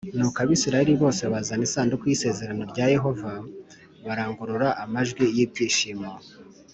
Nuko Abisirayeli bose bazana isanduku y isezerano rya Yehova barangurura amajwi y ibyishimo